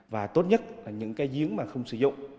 và tốt nhất là những cái giếng mà không sử dụng